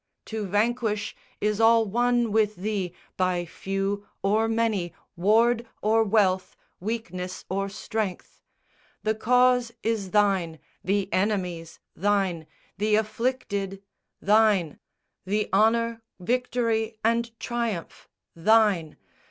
To vanquish is all one with Thee, by few Or many, ward or wealth, weakness or strength. The cause is Thine, the enemies Thine, the afflicted Thine! The honour, victory, and triumph Thine!